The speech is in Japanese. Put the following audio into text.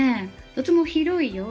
とても広いよ。